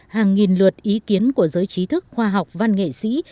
hàng nghìn luật ý kiến của giới trí thức khoa học văn nghệ sĩ